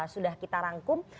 sudah kita rangkum